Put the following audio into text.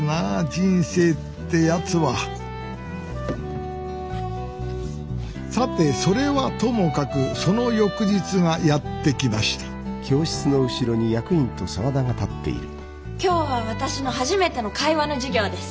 人生ってやつはさてそれはともかくその翌日がやって来ました今日は私の初めての会話の授業です。